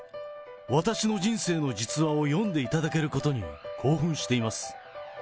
私の人生の実話を読んでいただけることに興奮しています。